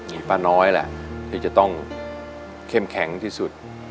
มีป้าน้อยแหละที่จะต้องเข้มแข็งที่สุด